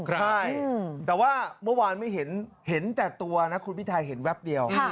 ใช่แต่ว่าเมื่อวานไม่เห็นแต่ตัวนะคุณพิทาเห็นแวบเดียว